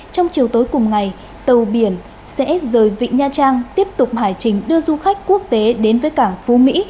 trong chiều tối cùng ngày tàu biển sẽ rời vịnh nha trang tiếp tục hải trình đưa du khách quốc tế đến với cảng phú mỹ